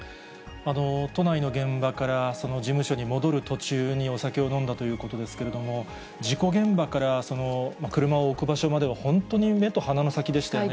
都内の現場からその事務所に戻る途中にお酒を飲んだということですけれども、事故現場から車を置く場所までは、本当に目と鼻の先でしたよね。